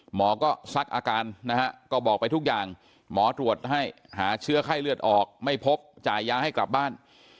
หมอก็ซักอาการนะฮะก็บอกไปทุกอย่างหมอตรวจให้หาเชื้อไข้เลือดออกไม่พบจ่ายยาให้กลับบ้าน